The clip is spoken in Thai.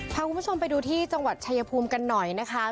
พาคุณผู้ชมไปดูที่จังหวัดชายภูมิกันหน่อยนะคะ